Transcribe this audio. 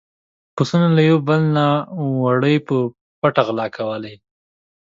پسونو له يو بل نه وړۍ په پټه غلا کولې.